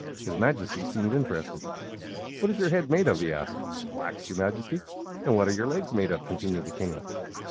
His Majesty seemed interested. "What is your head made of?" he asked. "Wax, your Majesty." "And what are your legs made of?" continued the kinglet.